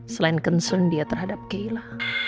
selain concern dia terhadap gaila